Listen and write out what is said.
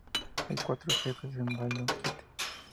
Hay cuatro jefes en "Balloon Kid".